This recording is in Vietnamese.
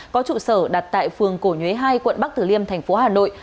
có trụ sở đặt tại phường cổ nhuế hai quận bắc thử liêm tp hà nội